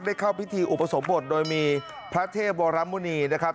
เข้าพิธีอุปสมบทโดยมีพระเทพวรมุณีนะครับ